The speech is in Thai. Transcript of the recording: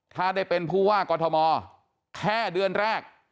ถ้าได้เป็นผู้ว่ากอทมแค่เดือนแรก